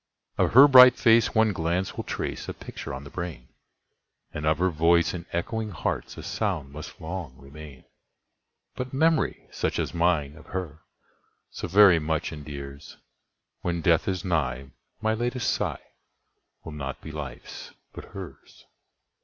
Of her bright face one glance will trace a picture on the brain, And of her voice in echoing hearts a sound must long remain; But memory such as mine of her so very much endears, When death is nigh my latest sigh will not be life's but hers.